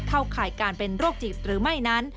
ข่ายการเป็นโรคจิตหรือไม่นั้น